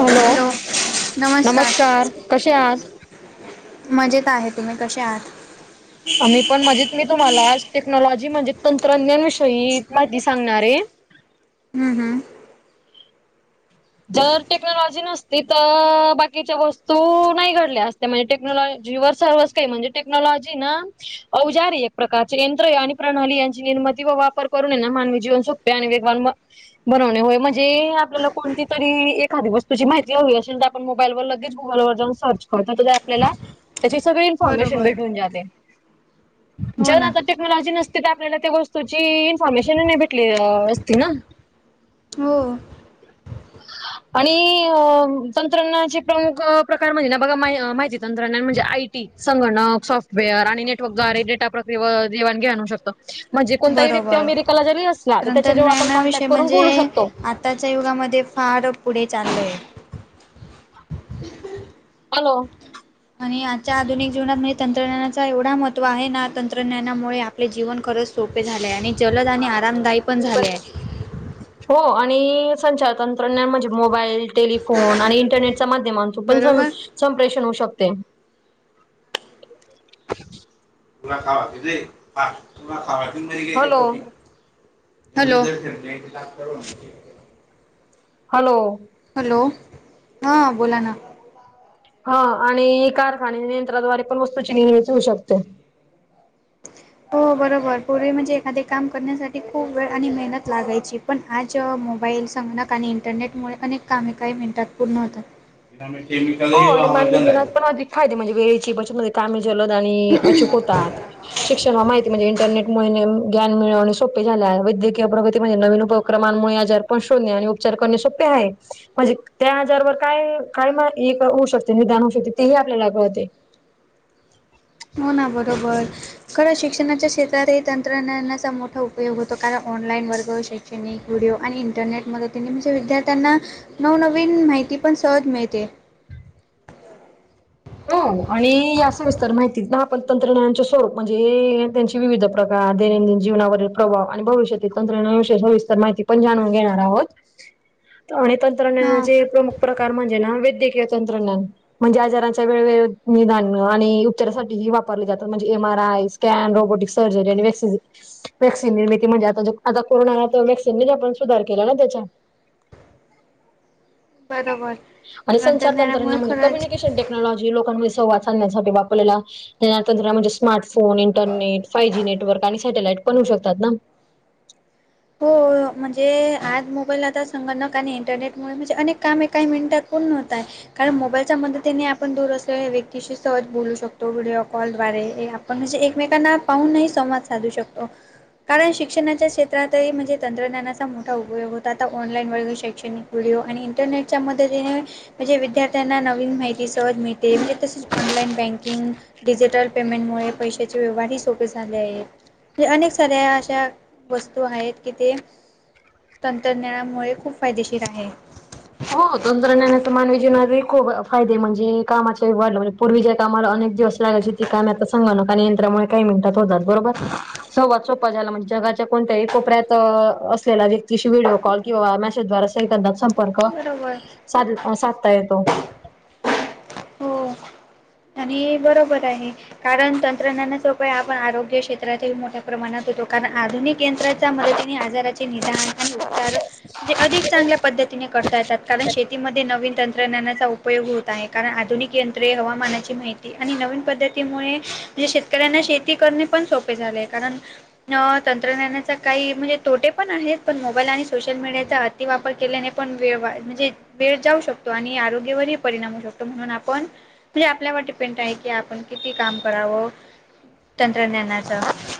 Hello? नमस्कार, कशे आहात? मजेत आहे, तुम्ही कशे आहात? अ मी पण मजेत, मी तुम्हाला आज टेक्नॉलॉजी, म्हणजे तंत्रज्ञान विषयी माहिती सांगणारे ये. हम्म हम्म. जर टेक्नॉलॉजी नसती, तर बाकीच्या वस्तू नाही घडल्या असत्या, म्हणजे टेक्नॉलॉजी वर सर्वच काही, म्हणजे टेक्नॉलॉजी ना औजार ए एक प्रकारचे, यंत्र ए आणि प्रणाली यांची निर्माती व वापर करून, ए ना मानवी जीवन, सोप् पे आणि वेगवाण ब-बनवणे होय, म्हणजे आपल्याला कोणती तरी एखादी वस्तूची माहिती हवी अशेल, तर आपण मोबाईल वर लगेच गुगलवर जाऊन सर्च करतो, तरि आपल्याला त्याची सगळी इन्फॉर्मेशन बरोबर भेटून जाते, हो जर ना आता टेक्नॉलॉजी नसते, तर आपल्याला त्या वस्तूची, इन्फॉर्मेशन नही भेटली असती ना. हो. आणि अ तंत्रज्ञानाचे प्रमुख प्रकार, म्हणजे ना बघा मा- माहिती तंत्रज्ञान, म्हणजे आई टी, संगणक, सॉफ्टवेअर आणि नेटवर्कद्वारे डेटा प्रक्रियेवर देवाणघेवान होऊ शक म्हणजे कोणताही व्यक्ती बरोबर अमेरिकाला जरी असला, तर त्याच्या जेव्हा आपण तंत्रज्ञानाविषयी कॉन्टॅक्ट करून म्हणजे बोलू शकतो. आताच्या युगामध्ये, फार पुढे चालल ये. हॅलो? आणि आजच्या आधुनिक जीवनात म्ह तंत्रज्ञानाचा, एवढा महत्त्व आहे ना, तंत्रज्ञानामुळे आप ले जीवन खरंच सोपे झाले ये, आणि जलद आणि आरामदायी पण झाले आहे. हो आणि संचार तंत्रज्ञ म्हणजे मोबाईल, टेलिफोन आणि इंटरनेट माध्यमां थ्रु पण स बरोबर संप्रेषण होऊ शकतय. तुला खवा दिदे पाहा तुला खावाळतीन हॅलो [unintelligible] हॅलो! हॅलो! हॅलो, हा बोला ना. हा आणि कारखाने नियंत्राद्वारे पण वस्तूची निर्मिती होऊ शकते. हो बरोबर पूर्वी म्हणजे एखादे काम करण्यासाठी खूप वेळ आणि मेहनत लागायची. पण आज जेव्हा मोबाईल, संगणक आणि इंटरनेटमुळे अनेक कामे काही मिनटात पूर्ण होतात. त्यामुळं केमिकल हो हे आणि महाग मानवी होतं चालंय. जीवनात पण अधिक फायदे म्हणजे वेळेची बचतमध्ये कामे जलद आणि अचूक होतात. शिक्षणाला माहिती म्हणजे इंटरनेटमुळे ज्ञान मिळवण सोपे झाले आहे वैद्यकीय प्रगती म्हणजे नवीन उप क्रमांमुळे आजार पण शोधनं आणि उपचार करणे सोपे आहे म्हणजे त्या आजारवर काय काय एक होऊ शकते निदान होऊ शकते तेही आपल्याला कळतेय. हो ना बरोबर. खरं शिक्षणाच्या क्षेत्रात हे तंत्रज्ञानाचा मोठा उपयोग होतो कारण ऑनलाईन वर्ग शे शिक्षणिक व्हिडिओ आणि इंटरनेट मदतीने म्हणजे विद्यार्थ्यांना नवनवीन माहिती पण सहज मिळते. हो आणि या सविस्तर माहिती ना आपण तंत्रज्ञाना स्वरूप म्हणजे त्यां विविध प्रकार, दैनंदिन जीवनावरील प्रभाव आणि भविष्यातील तंत्रज्ञानानुसार सविस्तर माहिती पण जाणून घेणार आहोत. तेवढी तंत्रज्ञा हां तंत्रज्ञानाचे प्रमुख प्रकार म्हणजे ना वैद्यकीय तंत्रज्ञान म्हणजे आजाराचे वेगवेगळे निदान आणि उपचारासाठी जे वापरले जातात म्हणजे M R I, scan, robotics surgery आणि वे वॅक्सिन निर्मिती म्हणजे आता जो आता कोरोनाला तर व्हॅक्सिनने आपण सुधार केला ना त्याच्या बरोबर. आणि संचार तंत्रज्ञानामुळे तंत्रज्ञान म्हणजे खरंच कम्युनिकेशन टेक्नॉलॉजी लोकांमध्ये संवाद साधण्यासाठी वापरलेला तंत्र म्हणजे smartphone, internet, five G network आणि सॅटेलाईट पण होउ शकतात ना. हो म्हणजे आज मोबाईल आता संगणक आणि इंटरनेटमुळे म्हणजे अनेक कामे काही मिनिटात पूर्ण होत आहे. कारण मोबाईलच्या मदतीने आपण दूर असलेल्या व्यक्तीशी सहज बोलू शकतो व्हिडिओ कॉल द्वारे पण म्हणजे एकमेकांना पाहूनही संवाद साधू शकतो कारण शिक्षणाच्या क्षेत्रातही म्हणजे तंत्रज्ञानाचा मोठा उपयोग होता आता ऑनलाईन व शैक्षणिक व्हडिओ आणि इंटरनेटच्या मदतीने म्हणजे विद्यार्थ्यांना नवीन माहिती सहज मिळते म्हणजे तसेच ऑनलाइन बँकिंग, डिजिटल पेमेंटमुळे पैशाचे व्यवहारही सोपे झाले आहेत. म्हणजे अनेक साऱ्या अशा वस्तू आहेत की ते तंत्रज्ञानामुळे खूप फायदेशीर आहे. हो तंत्रज्ञनाचा मानवी जीवनावर खूप फायदे म्हणजे कामाच्या वाढला म्हणजे पूर्वीच्या कामाला अनेक दिवस लागायची ती काम आता संगनक आणि यंत्रामुळे काही मिनिटात होतात बरोबर? संवाद सोपा झाला म्हणजे जगाच्या कोणत्याही कोपऱ्यात असलेला व्यक्तीशी व्हिडिओ कॉल किंवा मेसेज द्वारे सेकंदात संपर्क बरोबर सात साधता येतो. ही बरोबर आहे. कारण तंत्रज्ञानाचा उपयोग आपण आरोग्य क्षेत्रातही मोठ्या प्रमाणात होतो कारण आधुनिक यंत्रात त्या मदतीने आजाराचे निदान आणि उपचार म्हणजे अधिक चांगल्या पद्धतीने करता येतात कारण शेतीमध्ये नवीन तंत्रज्ञानाचा उपयोग होतो. आहे. कारण आधुनिक यंत्रे, हवामानाची माहिती- आणि नवीन पद्धतीमुळे म्हणजे शेतकऱ्यांना शेती करणे पण सोपे झाले आहे. कारण- या तंत्रज्ञानाचा काही म्हणजे तोटे पण आहेत. पण मोबाईल आणि सोशल मीडियाचा- -ती वापर केल्याने पण वेळ वा म्हणजे- वेळ जाऊ शकतो आणि आरोग्यावरही परिणाम होऊ शकतो. म्हणून आपण जे आपल्या वाट- कि आपण किती काम करावं? तंत्रज्ञानाच.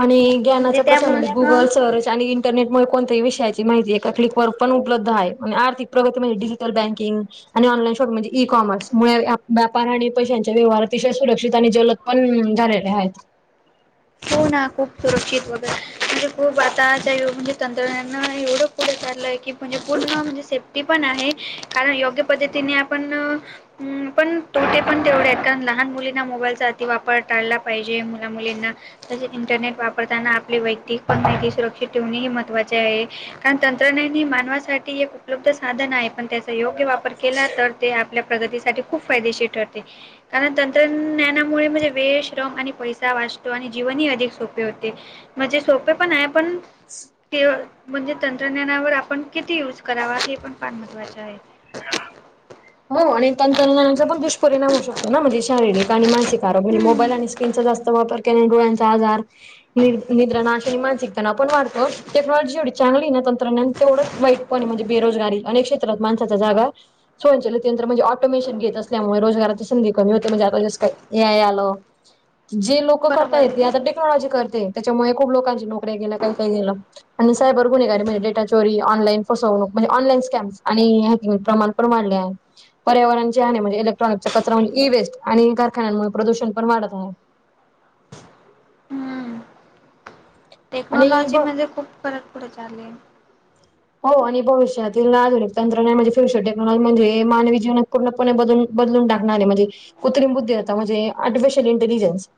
आणि म्हणजे ज्ञानाचा प्रसार त्यामुळे म्हणजे गुगल हं. सर्च आणि इंटरनेटमुळे कोणतही विषयाची माहिती एका क्लिक वर पण उपलब्ध आहे. आणि आर्थिक प्रगती म्हणजे डिजिटल बँकिंग. आणि ऑनलाईन शॉपिंग म्हणजे ई कॉमर्स मुळे व्यापार आणि पैशांच्या व्यवहाराचे अतिशय सुरक्षित आणि जलद- पण झालेले आहेत. हो ना. खूप सुरक्षित वगैरे. खूप म्हणजे खूप. आताच्या म्हणजे तंत्रज्ञान एवढं पुढे चाललंय की म्हणजे पूर्ण म्हणजे सेट- ते पण आहे. कारण योग्य पद्धतीने आपण- हं. पण तोटे पण तेवढे आहेत. कारण लहान मुलींना मोबाईलचा अति वापर टाळला पाहिजे. मुला मुलींना- तसेच इंटरनेट वापरताना आपली वैयक्तिक पण माहिती सुरक्षित ठेवणे ही महत्वाचे आहे. कारण तंत्रज्ञान हे मानवासाठी एक उपलब्ध साधन आहे पण त्या- योग्य वापर केला तर ते आपल्या प्रगतीसाठी खूप फायदेशीर ठरते. कारण तंत्रज्ञानामुळे म्हणजे वेळ श्रम आणि पैसा वाचतो आणि जीवनही अधिक सोपे होते. म्हणजे सोपे पण आहे पण- ते म्हणजे तंत्रज्ञानावर आपण किती युज करावा? हे पण फार महत्त्वाचे आहे. हो. आणि तंत्रज्ञानाचा पण दुष्परिणाम होऊ शकतो ना? म्हणजे शारीरिक आणि मानसिक- स म्हणजे हम्म मोबाईल आणि स्क्रीनचा जास्त वापर केल्या डोळ्यांचा आजार नि निद्रा नाश आणि मानसिक तणावं पण वाढतो. टेक्नॉलॉजी एवढी चांगली ए ना तंत्रज्ञान- तेवढंच वाईटपण ए. म्हणजे बेरोजगारी. अनेक क्षेत्रात माणसाच्या जागा स्वयंचलित म्हणजे ऑटोमेशन घेत असल्यामुळे रोजगाराची संधी कमी होते. म्हणजे आता जस काय ए आय आल जे लोक करताय. बरोबर. ते आता टेक्नॉलॉजी करते ए. त्याच्यामुळे खूप लोकांच्या नोकऱ्या गेल्या काही काही गेल. आणि सायबर गुन्हेगारी म्हणजे डेटा चोरी, ऑनलाईन फसवणूक म्हणजे ऑनलाईन स्कॅम्स आणि हॅकिंग प्रमाण पण वाढले आहे. पर्यावरण [unintelligible] म्हणजे इलेक्ट्रॉनिकच्या कचरा म्हणजे ई वेस्ट आणि कारखान्यांमुळे प्रदूषण पण वाढत आहे. हम्म आणि ब टेक्नॉलॉजी मध्ये खूप फरक पुढे चाले. हो आणि भविष्यातील आधुनिक तंत्रज्ञान म्हणजे फ्युचर टेक्नॉलॉजी म्हणजे मानवी जीवनात पूणपणे बदलून- बदलून टाकणारे म्हणजे कृत्रिम बुद्धी आताणे आर्टिफिशियल इंटेलिजन्स.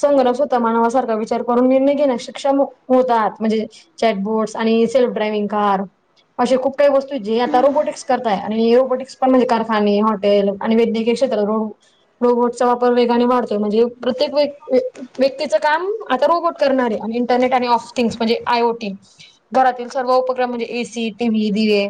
संगणक स्वतः मानवासारखा विचार करून निर्णय नाही घेणार. [unintelligible] होतात म्हणजे चॅट बोर्टस आणि हे सेल्फ ड्रायविंग कार- अशे खूप काही वस्तू आहेत. जे आता रोबोटिक्स करताय आणि रोबोटिक्स पण म्हणजे कारखाने हॉटेल- आणि वैद्यकीय क्षेत्रात [unintelligible] रोबोटचा वापर वेगाने वाढतोय म्हणजे प्रत्येक व व्यक्तीचं काम आता रोबोट- करणार ए. आणि इंटरनेट आणि ऑस्टिंग म्हणजे आय ओ टी घरातील सर्व उपक- ए सी, टी व्ही, दिवे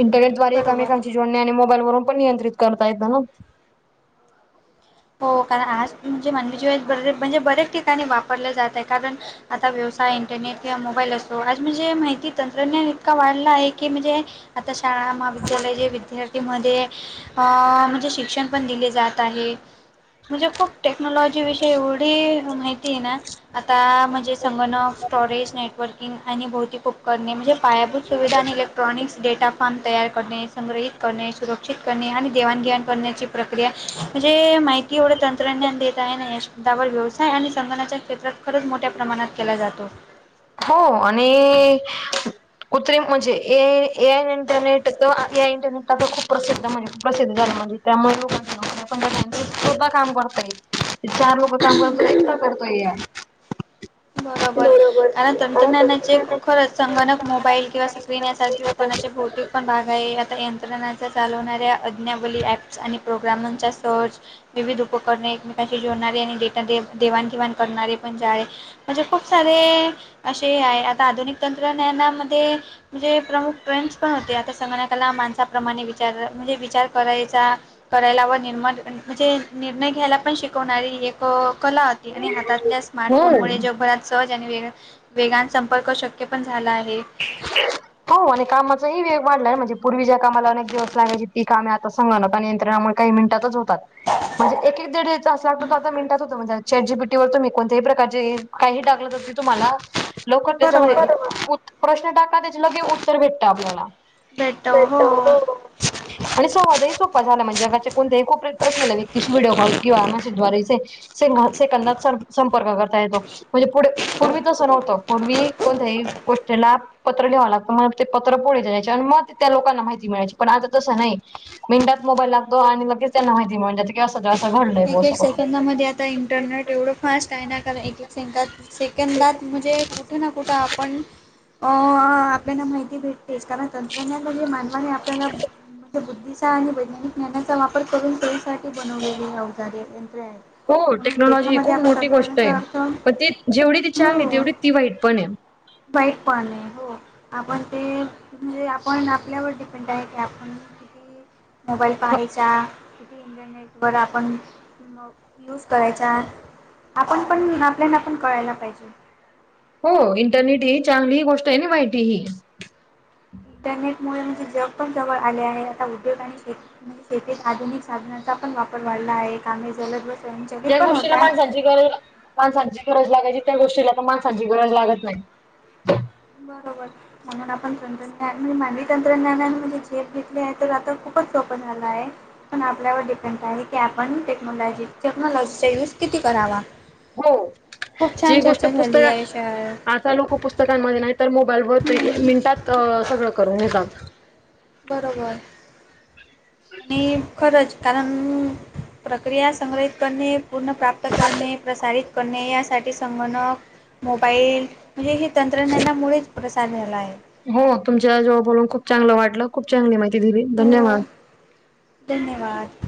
इंटरनेटद्वारे बरोबर. एकामेकांची - जोडणे आणि मोबाईल वरून पण नियंत्रित करतायेत म्हणून - हो. कारण आज म्हणजे मानवी जीवन बरे म्हणजे बऱ्याच ठिकाणी वापरले जात आहे. कारण- आता व्यवसाय इंटरनेट किंवा मोबाईल असतो. आज म्हणजे माहिती तंत्रज्ञान इतका वाढला आहे की म्हणजे- आता शाळा महाविद्यालय हे विद्यार्थी मध्ये- आ. म्हणजे शिक्षण पण दिले जात आहे. म्हणजे खूप टेक्नॉलॉजी विषयी एवढी माहिती आहे ना? आता म्हणजे संगणक स्टोरेज, नेटवर्किंग आणि भौतिक उपकरणे म्हणजे- पायांभूंत सुविधा आणि इलेक्ट्रॉनिकसं डेटां फार्म तयार करणे संग्रहित करणे सुरक्षित करणे आणि देवांणघेवांण करण्यांची प्रक्रिया म्हणजे माईंड कि एवढे तंत्रज्ञान देतं आहे नां यां शब्दांवर व्यवसांय आणि संगनांच्या क्षेत्रांत खरंच मोठ्या प्रमाणांत केलां जातो. हो आणि कृत्रिम म्हजे एय इंटरनेट तरं एय इंटरनेटला तरं खूंप प्रसिद्ध म्हणजेप प्रसिद्ध झालं म्हणजे मुळेधा कामं करतां ये चार कामं करतो एकटां करतोय यां बरोबर कारणं तंत्रज्ञानांचे खरं संगणक मोबाईल किंवा स्क्रीन यांसारखे उत्पनांचे बहुतेक पणं भांग आहे आंता यंत्रणा चालवणांऱ्या अज्ञावली ऍप्स आणि प्रोग्रामांचा सर्च विविध उपकरणे एकमेकांशी जोडणांरे आणि डेटां देवांणघेवांण करणांरे पणं जां आहे म्हणजे खूंप सारे असे आहे आंता आधुनिक तंत्रज्ञानांमध्यें म्हणजे प्रमुख ट्रेंड्स पणं होते आंता संगणकांला माणसांप्रमाणे विचारं म्हणजे विचारं करांयचा करांयला व निर्माण म्हणजे निर्णय घ्यांयला पणं शिकवणांरी एक कलां आणि हातांतल्यां स्मार्टफोन मुळे हम्म जे रात सहज आणि वेग वेगानं संपर्क शक्यं पणं झालां आहे ह [inaudible] [unintelligible] हो आणि कामांचाही वेगं वाढलांय म्हणजे पूर्वी ज्यां कामांला अनेक दिवसं लागंयची ती कामं आंता संगणका आणि यंत्रणा कांहीं मिनिटांतच होतांत. म्हणजे एक एक दीड तास लागतो तरं आंता मिनटांत होतं म्हणे चॅट जी बिटी वरं तो मी कोणत्यांही प्रकारचे हे कांहीं टाकलंय होती तुम्हांला लोकं बरोबर त्यांच्यामध्ये प्रश्न टांका त्यांचे लगे उत्तरं भेटतं आपल्यांला भेटतं हो आणि स्ववांदही सोपां झालां म्हणजेगांचे कोणत्यांही कोप्या असलेल्या व्यक्तीशी व्हिडिओ कॉल किंवा मेसेजद्वारेे सं सेकंदात संपर्क करतां येतो. म्हणजे पुढे पूर्वी तसं नव्हतं पूर्वी कोणत्यां गोष्टी त्यालां पत्र लिहावं लागतं मंग ते पत्रं पुढे जायचे आणि मंग त्यां लोकांना माहिती मिळांयची पणं आंता तसं नाहीं. एकां मिनिटांत मोबाईल लागतो आणि लगेच त्यांना माहिती मिळते म्हणतांत की असं जे असं घडलंय बां संग आंता इंटरनेट एवढं फांस्ट आहे नां कारणं एक एक सेकदांत सेकंदांत म्हणजे कुंठे नां कुठं आपणं आपल्यांला माहिती भेटते तेचं कारणं तंत्रज्ञानने जे मानवाने आपल्याला म्हणजे बुद्धि आणि वैज्ञानिक ज्ञानांचा वापरं करूंन सोईसांठी बनवलेली अऔजारे यंत्र आहेतं. हो टेक्नॉलॉजी ही खूंप मोठी गोष्टं आहे अर्थ पणं ती जेवढी ती छान आहे तेवढी ती वाईटं पणं आहे वाईटं पणं आहे हो. आपणं ते म्हणजे आपणं आपल्यांवर डिपेंड आहे की आपणं [unintelligible] मोबाईल पाहांयचा किती इंटरनेटवर आपणं मंग यूंज करांयचा आपणं पणं आपल्यांला पणं कळांयला पाहिजे हो इंटरनेट ही चांगली ही गोष्ट आहे नां वाईटं ही इंटरनेटमुळे म्हणजे जंग पणं जवळं आले आहे आंता उद्योग आणि शेती शेतीत आधुनिक साधनांचा पणं वापरं वाढलां आहे कामंही जलं बसं ज्यां गोष्टीलां माणसांची गरजं माणसांची गरजं लागांयची त्यां गोष्टीला पणं माणसांची गरजं लागतं नाहीं. बरोबर म्हणूंन आपणं तंत्रज्ञान म्हणजे मानवी तंत्रज्ञाने म्हणजे झेप घेतली आहे तरं आंता खूपचं सोपं झालं आहे. पण आपल्यावर डिपेंड आहे की आपण टेक्नॉलॉजी टेक्नॉलॉजीचा यूज किती करावा. हो खूप छान चर्चा झाली आयुष्यात काही लोक पुस्तकांमध्ये नाही तर मोबाईल वर हम्म मिनिटात सगळं करून घेतात. बरोबर मी खरंच कारण प्रक्रिया संग्रहित करणे पूर्ण प्राप्त करणे प्रसारित करणे यासाठी संगणक मोबाईल हे ही तंत्रज्ञानामुळेच प्रसार झाला आहे. हो तुमच्या याच्यावर खूप चांगलं वाटलं खूप चांगली माहिती दिली हो धन्यवाद! धन्यवाद!